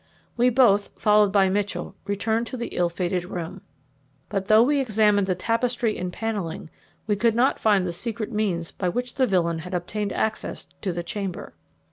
We both, followed by Mitchell, returned to the ill fated room; but, though we examined the tapestry and panelling, we could not find the secret means by which the villain had obtained access to the chamber.